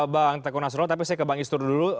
bang tengku nasroh tapi saya ke bang isnur dulu